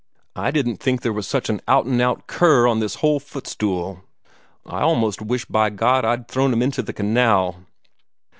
I didn't think there was such an out and out cur on this whole footstool. I almost wish, by God, I'd thrown him into the canal!"